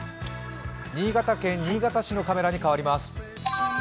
新潟県新潟市のカメラに変わります。